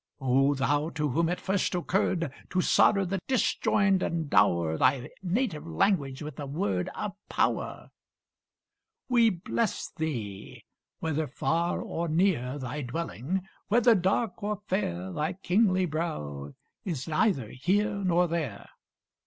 O thou to whom it first occurred To solder the disjoined, and dower Thy native language with a word Of power: We bless thee! Whether far or near Thy dwelling, whether dark or fair Thy kingly brow, is neither here Nor there.